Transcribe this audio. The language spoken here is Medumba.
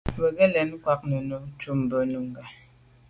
Bə̀k à' lɛ̌n kwāh nʉ́nʉ̄ cúp bú Nùngà.